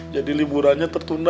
jadi liburannya tertunda